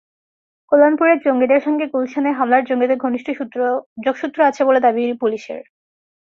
কল্যাণপুরের জঙ্গিদের সঙ্গে গুলশানে হামলার জঙ্গিদের ঘনিষ্ঠ যোগসূত্র আছে বলে দাবি পুলিশের।